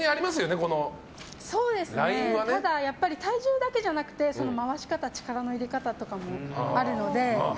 ただやっぱり体重だけじゃなくて回し方力の入れ方とかもあるので。